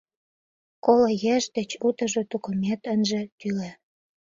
Коло еш деч утыжо тукымет ынже тӱлӧ!